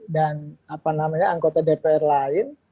dan apa namanya anggota dpr lain